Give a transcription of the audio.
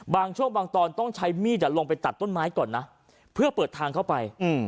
บางช่วงบางตอนต้องใช้มีดลงไปตัดต้นไม้ก่อนนะเพื่อเปิดทางเข้าไป